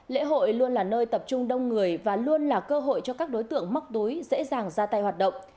lễ hội luôn là nơi tập trung đông người và luôn là cơ hội cho các đối tượng móc túi dễ dàng ra tay hoạt động